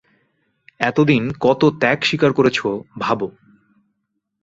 এতদিন কত ত্যাগ স্বীকার করেছ, ভাবো।